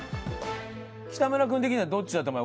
北村君的にはどっちだと思う？